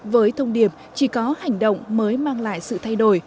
với thông điệp chỉ có hành động mới mang lại sự thay đổi